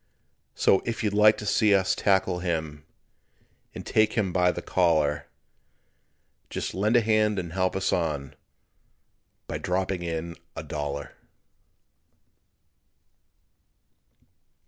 So if you'd see us tackle him, And take him by the collar, Just lend a hand and help us on By dropping in a dollar.